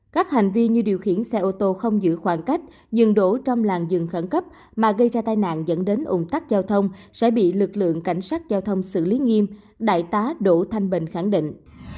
các hành vi như điều khiển xe ô tô không giữ khoảng cách dừng đổ trong làng dừng khẩn cấp mà gây ra tai nạn dẫn đến ủng tắc giao thông sẽ bị lực lượng cảnh sát giao thông xử lý nghiêm đại tá đỗ thanh bình khẳng định